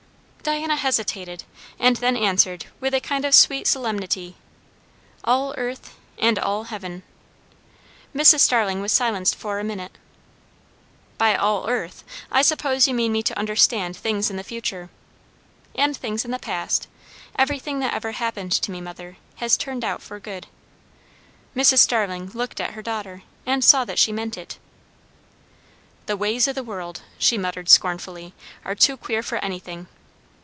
Diana hesitated, and then answered with a kind of sweet solemnity, "All earth, and all heaven." Mrs. Starling was silenced for a minute. "By 'all earth' I suppose you mean me to understand things in the future?" "And things in the past. Everything that ever happened to me, mother, has turned out for good." Mrs. Starling looked at her daughter, and saw that she meant it. "The ways o' the world," she muttered scornfully, "are too queer for anything!"